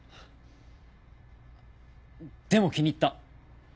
でも気に入った。